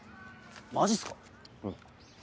マジっすか⁉ん。